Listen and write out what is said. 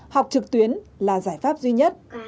học trực tuyến là giải pháp duy nhất